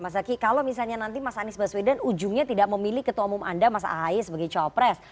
saya tanya nanti mas anies baswedan ujungnya tidak memilih ketua umum anda mas ahy sebagai cawapres